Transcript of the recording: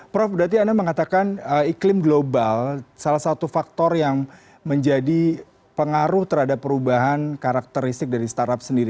prof berarti anda mengatakan iklim global salah satu faktor yang menjadi pengaruh terhadap perubahan karakteristik dari startup sendiri